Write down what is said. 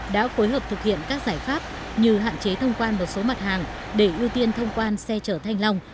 đã phối hợp thực hiện các giải pháp như hạn chế thông quan một số mặt hàng để ưu tiên thông quan xe chở thanh long